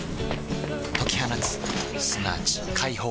解き放つすなわち解放